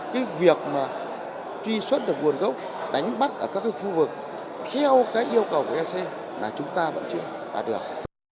cái việc mà truy xuất được nguồn gốc đánh bắt ở các cái khu vực theo cái yêu cầu của ec là chúng ta vẫn chưa đạt được